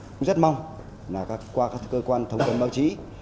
chúng tôi rất mong qua các cơ quan thông tin báo chí